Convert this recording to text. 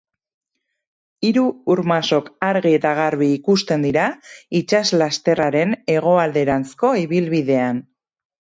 Hiru ur-masok argi eta garbi ikusten dira itsaslasterraren hegoalderanzko ibilbidean.